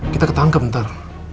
kita ketangkep ntar